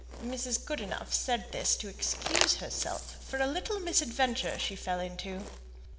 Mrs. Goodenough said this to excuse herself for a little misadventure she fell into.